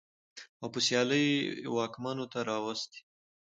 او په سيالۍ واکمنو ته راوستې.